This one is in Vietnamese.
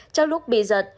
trong lúc bị giật